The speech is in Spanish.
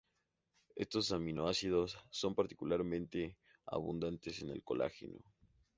Estos aminoácidos son particularmente abundantes en el colágeno.